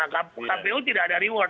kpu tidak ada reward